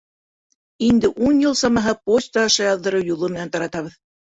Инде ун йыл самаһы почта аша яҙҙырыу юлы менән таратабыҙ.